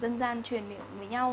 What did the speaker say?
được là dân gian truyền miệng với nhau